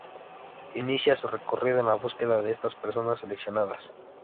Inicia su recorrido en la búsqueda de estas personas seleccionadas.